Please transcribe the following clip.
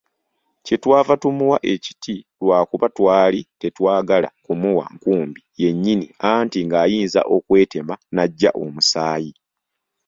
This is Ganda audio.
Kye twava tumuwa ekiti lwakuba twali tetwagala kumuwa nkumbi yennyini anti ng’ayinza okwetema n’ajja omusaayi.